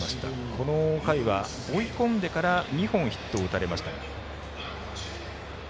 この回は追い込んでから２本ヒットを打たれました。